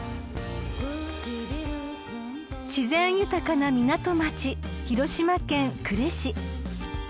［自然豊かな港町広島県呉市］